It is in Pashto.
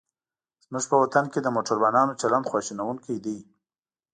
زموږ په وطن کې د موټروانانو چلند خواشینوونکی دی.